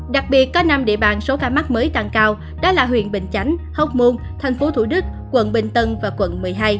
đặc biệt có năm địa bàn số ca mắc mới tăng cao đó là huyện bình chánh hóc môn tp thủ đức quận bình tân và quận một mươi hai